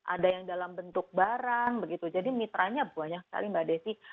ada yang dalam bentuk barang begitu jadi mitranya banyak sekali mbak desi